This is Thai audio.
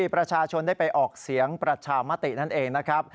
ประชาชนได้ไปออกเสียงประชามตินั่นเองนะครับ